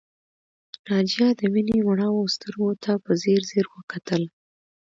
ناجیه د مينې مړاوو سترګو ته په ځير ځير وکتل